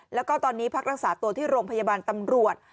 แล้วก็ตอนนี้พักรักษาตัวที่โรงพยาบาลตำรวจ